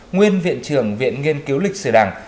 nguyên viện trưởng viện nghiên cứu lịch sử đảng